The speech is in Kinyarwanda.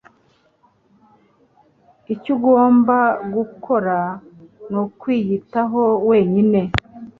Icyo ugomba gukora nukwiyitaho wenyine.